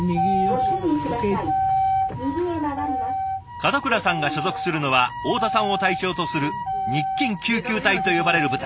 門倉さんが所属するのは大田さんを隊長とする日勤救急隊と呼ばれる部隊。